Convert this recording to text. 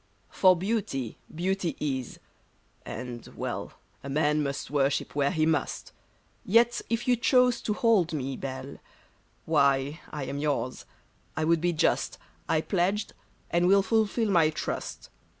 For beauty, beauty is ; and — well, A man must worship where he must ; Yet if you chose to hold me, Belle, Why, I am yours ; I would be just ; I pledged, and will fulfill my trust.